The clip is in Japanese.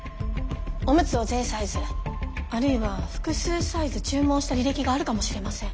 オムツを全サイズあるいは複数サイズ注文した履歴があるかもしれません。